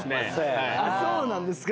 あっそうなんですか。